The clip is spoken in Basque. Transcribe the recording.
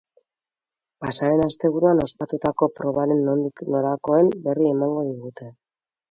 Pasa den asteburuan ospatutako probaren nondik norakoen berri emango digute.